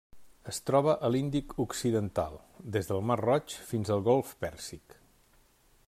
Es troba a l'Índic occidental: des del Mar Roig fins al Golf Pèrsic.